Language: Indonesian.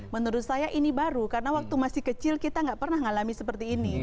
menurut saya ini baru karena waktu masih kecil kita nggak pernah ngalami seperti ini